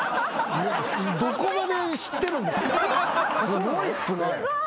すごいっすね。